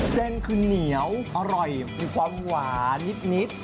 เส้นคือเหนียวอร่อยมีความหวานนิด